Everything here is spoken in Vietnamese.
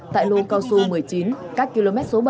tại lô cao su một mươi chín các km số bảy